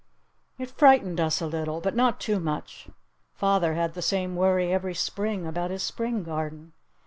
It frightened us a little. But not too much. Father had the same worry every Spring about his Spring garden.